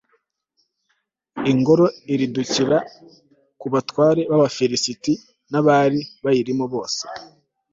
ingoro iridukira ku batware b'abafilisiti n'abari bayirimo bose